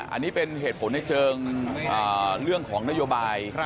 อันนี้เป็นเหตุผลในเชิงเรื่องของนโยบาย